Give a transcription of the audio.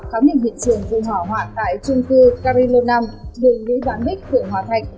khám nhận hiện trường dùng hỏa hoạ tại chung cư carillo năm đường nguyễn vãn bích phường hòa thạch